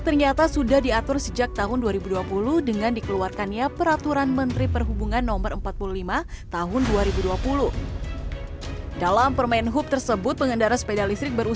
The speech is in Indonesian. masyarakat yang mengawasi anak mereka dalam mengendarai sepeda listrik